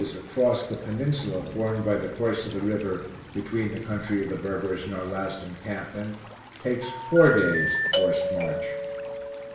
across the peninsula formed by the course of the river between the country of the Berbers and our last encampment, takes four days forced march.